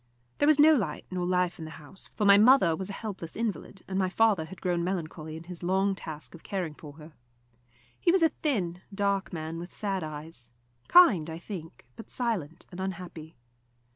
There was no light nor life in the house, for my mother was a helpless invalid, and my father had grown melancholy in his long task of caring for her. He was a thin, dark man, with sad eyes; kind, I think, but silent and unhappy.